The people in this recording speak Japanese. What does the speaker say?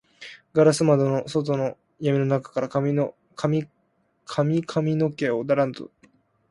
ガラス窓の外のやみの中から、髪かみの毛をダランと下にたらし、まっかにのぼせた顔で、さかさまの目で、部屋の中のようすをジロジロとながめています。